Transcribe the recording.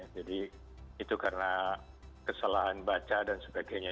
jadi itu karena kesalahan baca dan sebagainya